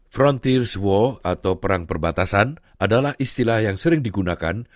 frontirs wall atau perang perbatasan adalah istilah yang sering digunakan